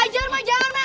jangan dihajar ma